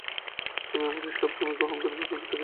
তবে আমাদের সব সময়েই গ্রহণ করিবার জন্য প্রস্তুত থাকিতে হইবে।